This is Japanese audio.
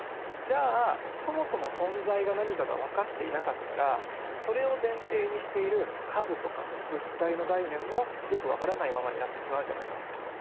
じゃあそもそも存在が何かが分かっていなかったらそれを前提にしている数とか物体の概念もよく分からないままになってしまうじゃないかと。